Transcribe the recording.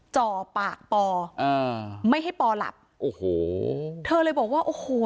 จ่อปากปออ่าไม่ให้ปอหลับโอ้โหเธอเลยบอกว่าโอ้โห